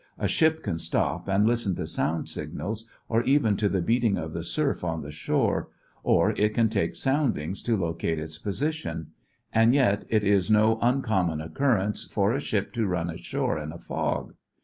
A ship can stop and listen to sound signals, or even to the beating of the surf on the shore, or it can take soundings to locate its position; and yet it is no uncommon occurrence for a ship to run ashore in a fog.